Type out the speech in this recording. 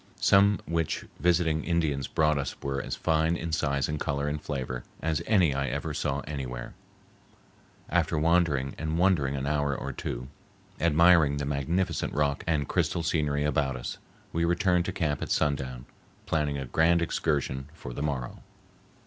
Some which visiting Indians brought us were as fine in size and color and flavor as any I ever saw anywhere. After wandering and wondering an hour or two, admiring the magnificent rock and crystal scenery about us, we returned to camp at sundown, planning a grand excursion for the morrow.